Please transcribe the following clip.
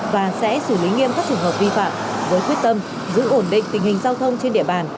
và sẽ xử lý nghiêm các trường hợp vi phạm với quyết tâm giữ ổn định tình hình giao thông trên địa bàn